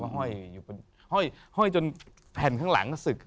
ฮ่อยจนแผ่นข้างหลังข้าสึก